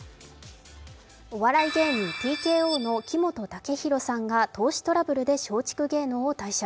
お笑い芸人ＴＫＯの木本武宏さんが投資トラブルで松竹芸能を退社。